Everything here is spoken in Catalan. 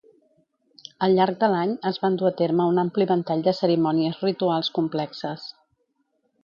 Al llarg de l'any, es van dur a terme un ampli ventall de cerimònies rituals complexes.